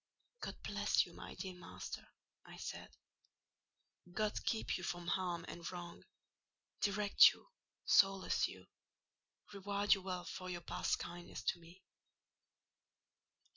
"God bless you, my dear master!" I said. "God keep you from harm and wrong—direct you, solace you—reward you well for your past kindness to me."